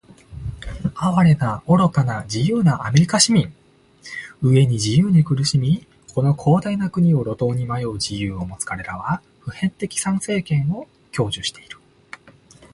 哀れな、愚かな、自由なアメリカ市民！飢えに「自由」に苦しみ、この広大な国を路頭に迷う「自由」を持つかれらは、普遍的参政権を享受している。